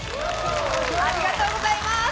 ありがとうございます！